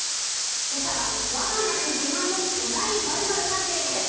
今朝は「我が町自慢の巨大○○」がテーマです。